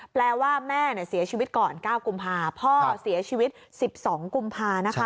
แปลว่าแม่เสียชีวิตก่อน๙กุมภาพเสียชีวิต๑๒กุมภานะคะ